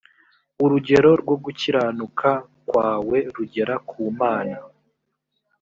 urugero rwo gukiranuka kwawe rugera ku mana